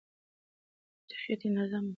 د خېټې اندازه مهمه ده.